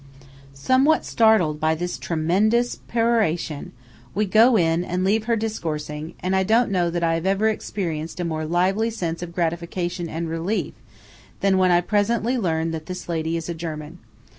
Somewhat startled by this tremendous peroration, we go in, and leave her discoursing; and I don't know that I have ever experienced a more lively sense of gratification and relief than when I presently learn that this lady is a German.